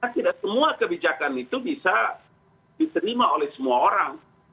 tidak semua kebijakan itu bisa diterima oleh semua orang